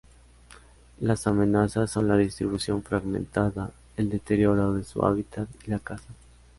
Las amenazas son la distribución fragmentada, el deterioro de su hábitat y la caza.